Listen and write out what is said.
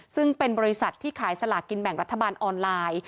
ซึ่งเป็นบริษัทที่ขายสลากินแบ่งรัฐบาลออนไลน์